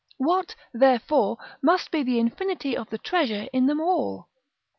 What, therefore, must be the infinity of the treasure in them all!